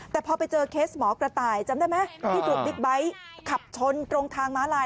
แต่พอไปเจอเคสหมอกระต่ายจำได้ไหมที่ถูกบิ๊กไบท์ขับชนตรงทางม้าลาย